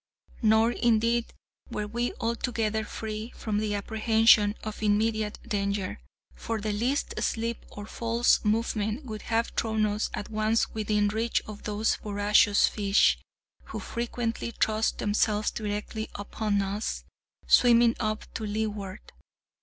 Nor, indeed, were we altogether free from the apprehension of immediate danger, for the least slip or false movement would have thrown us at once within reach of those voracious fish, who frequently thrust themselves directly upon us, swimming up to leeward.